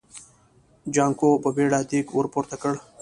جانکو په بيړه دېګ ور پورته کړ.